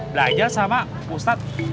belajar sama ustadz